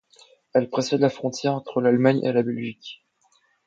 Elle précède la frontière entre l'Allemagne et la Belgique.